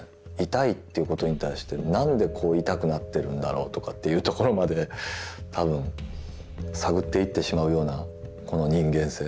「痛い」ということに対して何でこう痛くなってるんだろうとかというところまで多分探っていってしまうようなこの人間性。